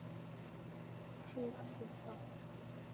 시간 됐어.